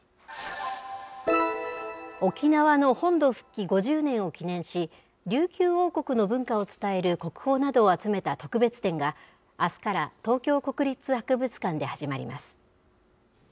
沖縄の本土復帰５０年を記念し、琉球王国の文化を伝える国宝などを集めた特別展が、あすから東京国立博物館で始まります。